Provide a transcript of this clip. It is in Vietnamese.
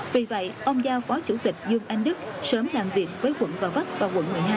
vì vậy ông giao phó chủ tịch dương anh đức sớm làm việc với quận gò vấp và quận một mươi hai